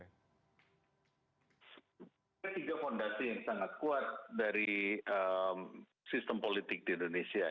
ada tiga fondasi yang sangat kuat dari sistem politik di indonesia